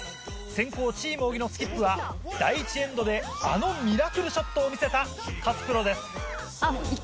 先攻チーム小木のスキップは第１エンドであのミラクルショットを見せた勝プロです。